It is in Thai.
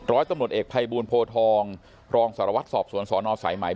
ร้อยตำรวจเอกภัยบูลโพทองรองสารวัตรสอบสวนสนสายไหม